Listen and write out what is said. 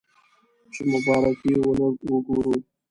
چې مبارکه ونه وګورو.